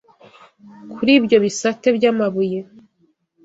Kuri ibyo bisate by’amabuye